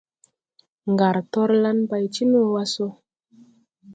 Ngar torlan bay ti no wa so.